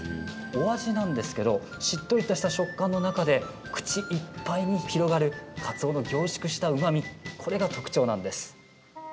お味なんですけどしっとりとした食感の中で口いっぱいに広がるかつおの凝縮したうまみこれが特徴なんです。